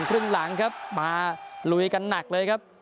ครึ่งหลังครับมาลุยกันหนักเลยครับ